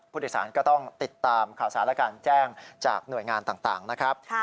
ผู้โดยสารก็ต้องติดตามข่าวสารและการแจ้งจากหน่วยงานต่างนะครับ